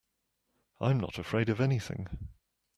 I'm not afraid of anything.